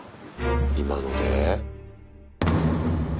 今ので？